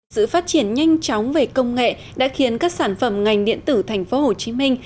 sự phát triển nhanh chóng về công nghệ đã khiến các sản phẩm ngành điện tử thành phố hồ chí minh